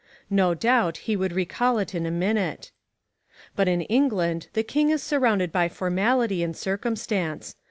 No doubt he would recall it in a minute. But in England the King is surrounded by formality and circumstance.